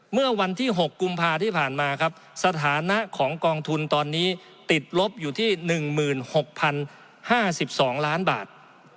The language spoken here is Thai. เมื่อวันที่๖กุมภาที่ผ่านมาครับสถานะของกองทุนตอนนี้ติดลบอยู่ที่๑๖๐๕๒ล้านบาท